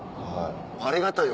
ありがたいよ